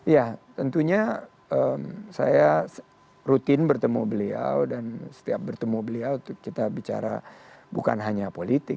ya tentunya saya rutin bertemu beliau dan setiap bertemu beliau kita bicara bukan hanya politik